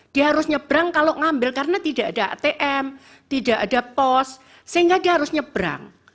dia harus nyebrang kalau ngambil karena tidak ada atm tidak ada pos sehingga dia harus nyebrang